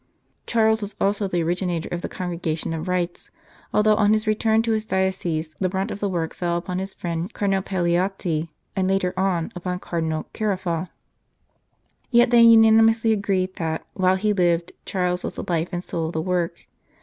Charles was also the originator of the Congrega tion of Rites, although on his return to his diocese the brunt of the work fell upon his friend Cardinal Paleotti, and later on upon Cardinal Caraffa. Yet 206 The Cardinal of Santa Prassede they unanimously agreed that, while he lived, Charles was the life and soul of the work.